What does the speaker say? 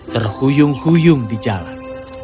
terhuyung huyung di jalan